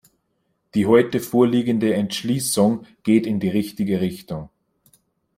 Die heute vorliegende Entschließung geht in die richtige Richtung.